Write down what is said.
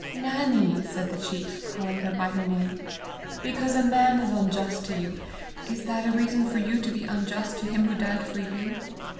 "Nannie!" said the chief, calling her by her name, "because a man is unjust to you, is that a reason for you to be unjust to him who died for you?